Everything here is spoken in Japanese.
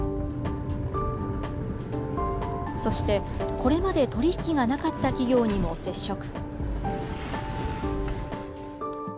そして、これまで取り引きがなかった企業にも接触。